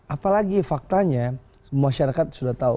apalagi faktanya semua syarikat sudah tau